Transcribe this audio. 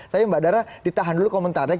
tapi mbak dara ditahan dulu komentarnya